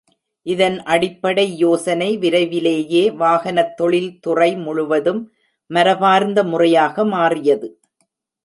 இதன் அடிப்படை யோசனை விரைவிலேயே வாகனத் தொழில்துறை முழுவதும் மரபார்ந்த முறையாக மாறியது.